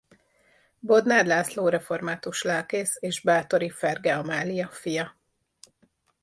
Bodnár László református lelkész és bátori Ferge Amália fia.